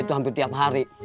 itu hampir tiap hari